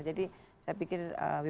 jadi saya pikir